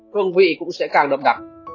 hương vị cũng sẽ càng đậm đặc